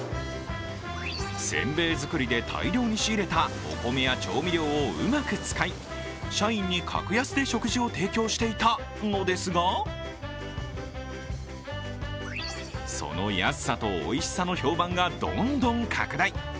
煎餅作りで大量に仕入れたお米や調味料をうまく使い、社員に格安で食事を提供していたのですが、その安さとおいしさの評判がどんどん拡大。